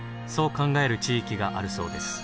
考える地域があるそうです。